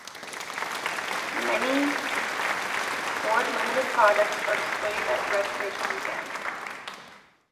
Many Ilford Limited products are displayed at Redbridge Museum.